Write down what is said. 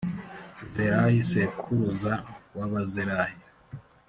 zerahi sekuruza w’abazerahi.